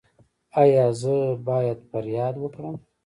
ایا زه باید فریاد وکړم؟